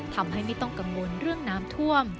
ทำให้ไม่ต้องกังวลเรื่องน้ำท่วม